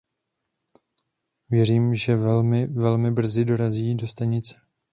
Věřím, že velmi, velmi brzy dorazí do stanice.